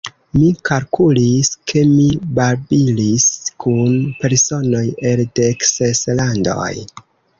Mi kalkulis, ke mi babilis kun personoj el dek ses landoj.